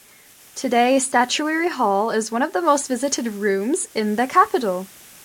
Today, Statuary Hall is one of the most visited rooms in the Capitol.